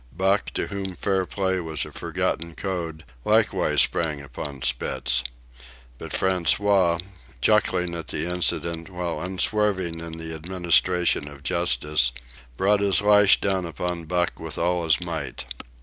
Buck, to whom fair play was a forgotten code, likewise sprang upon Spitz. But François, chuckling at the incident while unswerving in the administration of justice, brought his lash down upon Buck with all his might.